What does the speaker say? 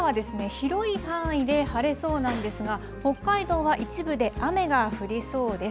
広い範囲で晴れそうなんですが北海道は一部で雨が降りそうです。